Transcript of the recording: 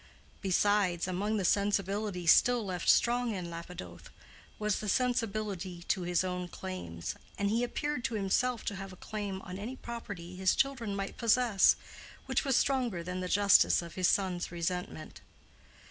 Besides, among the sensibilities still left strong in Lapidoth was the sensibility to his own claims, and he appeared to himself to have a claim on any property his children might possess, which was stronger than the justice of his son's resentment.